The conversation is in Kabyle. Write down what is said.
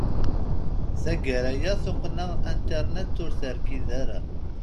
Taggara aya, tuqqna internet ur terkid ara.